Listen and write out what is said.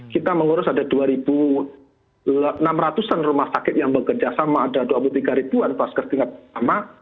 kita mengurus ada dua enam ratus an rumah sakit yang bekerja sama ada dua puluh tiga ribuan masker tingkat pertama